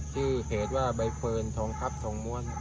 ชื่อเพจว่าใบเฟิร์นทองคับทองมูล